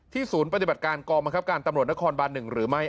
ศูนย์ปฏิบัติการกองบังคับการตำรวจนครบาน๑หรือไม่